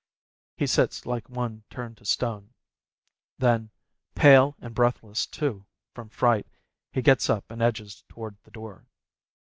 He sits like one turned to stone. Then, pale and breathless, too, from fright, he gets up and edges toward the door.